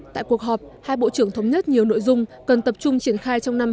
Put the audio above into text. tại cuộc họp hai bộ trưởng thống nhất nhiều nội dung cần tập trung triển khai trong năm hai nghìn hai mươi